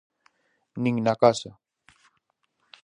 Nin na casa.